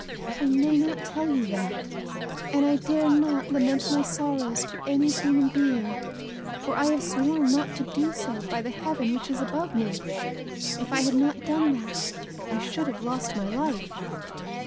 "I may not tell you that, and I dare not lament my sorrows to any human being, for I have sworn not to do so by the heaven which is above me; if I had not done that, I should have lost my life."